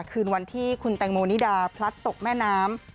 คืนวันที่คุณแตงโมนิดาพลัดตกแม่น้ำ